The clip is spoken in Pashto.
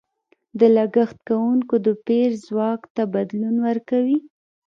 د لګښت کوونکو د پېر ځواک ته بدلون ورکوي.